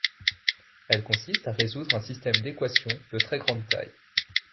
Elle consiste à résoudre un système d'équations de très grande taille.